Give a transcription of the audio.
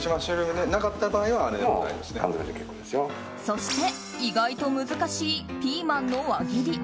そして、意外と難しいピーマンの輪切り。